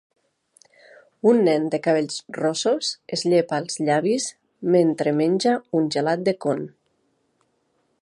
Un nen de cabells rossos es llepa els llavis mentre menja un gelat de con